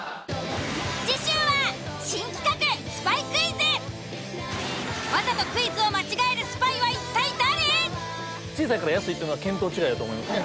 次週は新企画わざとクイズを間違えるスパイは一体誰？